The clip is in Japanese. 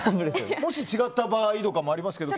もし違った場合もありますけど。